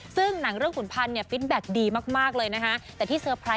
ซึ่งหนังเรื่องขุนพันธ์เนี่ยฟิตแบ็คดีมากเลยนะฮะ